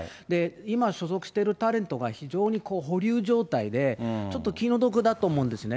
今所属してるタレントが非常に保留状態で、ちょっと気の毒だと思うんですね。